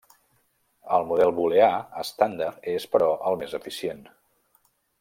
El Model Booleà estàndard és, però, el més eficient.